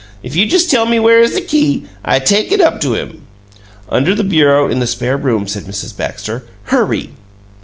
If you jes' tell me where is the key, I take it up to him." "Under the bureau in the spare room," said Mrs. Baxter. "HURRY!"